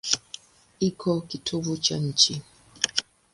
Iko kitovu cha nchi.